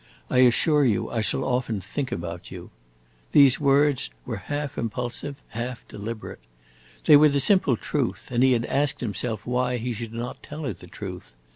I assure you I shall often think about you!" These words were half impulsive, half deliberate. They were the simple truth, and he had asked himself why he should not tell her the truth.